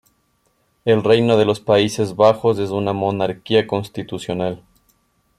El Reino de los Países Bajos es una monarquía constitucional.